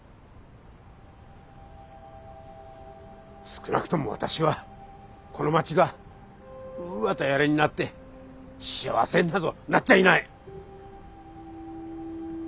少なくとも私はこの街がウーアとやらになって幸せになぞなっちゃいない！